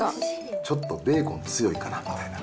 ちょっとベーコン強いかなみたいな。